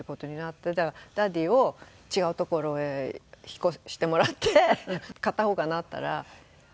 だからダディを違う所へ引っ越してもらって片方がなったら。